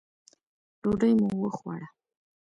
ډوډۍ مو وخوړه.